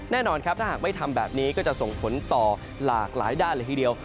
แน่นอนครับถ้าหากไม่ทำแบบนี้ก็จะส่งผลต่อหลากหลายด้านเลยทีเดียว